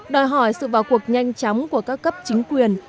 đòi hỏi sự vào cuộc nhanh chóng của các cấp chính quyền